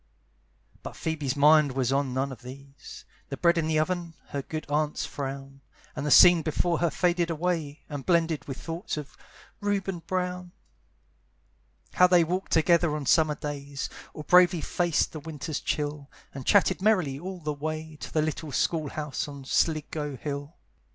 But Phoebe's mind was on none of these: The bread in the oven, her good aunt's frown, And the scene before her faded away, And blended with thoughts of Reuben Brown: How they walked together on summer days, Or bravely faced the winter's chill, And chatted merrily all the way To the little school house on Sligo Hill.